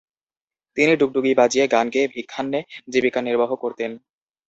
তিনি ডুগডুগি বাজিয়ে গান গেয়ে ভিক্ষান্নে জীবিকা নির্বাহ করতেন।